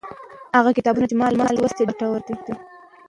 هغه کتابونه چې ما لوستي، ډېر ګټور دي.